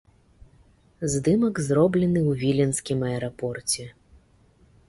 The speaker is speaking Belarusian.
Здымак зроблены ў віленскім аэрапорце.